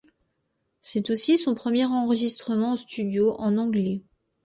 C'est aussi son premier enregistrement en studio en anglais.